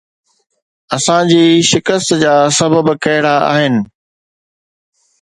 اسان جي شڪست جا سبب ڪهڙا آهن؟